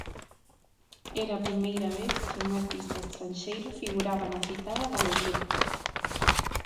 Era a primeira vez que un artista estranxeiro figuraba na citada galería.